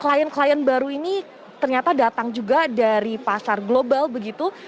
klien klien baru ini ternyata datang juga dari pasar global begitu